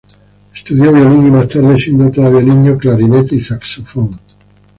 Estudió violín y más tarde, siendo todavía niño, clarinete y saxofón.